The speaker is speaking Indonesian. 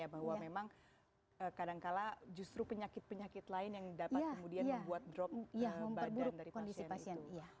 bahwa memang kadangkala justru penyakit penyakit lain yang dapat kemudian membuat drop badan dari pasien itu